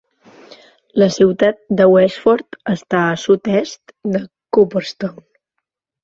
La ciutat de Westford està a sud-est de Cooperstown.